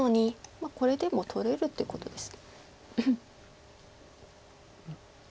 まあこれでも取れるっていうことです。